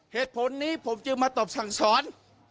เหตุผลนี้ผมจึงมาตบสั่งสอน